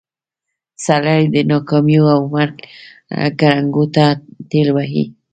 سړی د ناکاميو او مرګ ګړنګونو ته ټېل وهي.